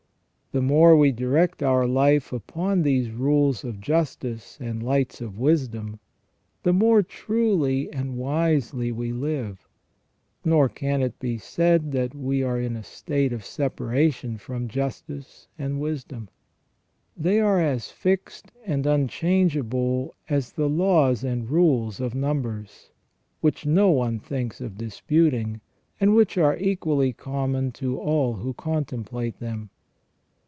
The more we direct our life upon these rules of justice and lights of wisdom, the more truly and wisely we live, nor can it be said that we are in a state of separa tion from justice and wisdom. They are as fixed and unchange able as the laws and rules of numbers, which no one thinks of disputing, and which are equally common to all who contemplate them.